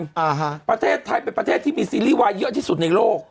อ่าฮะประเทศไทยเป็นประเทศที่มีซีรีส์วายเยอะที่สุดในโลก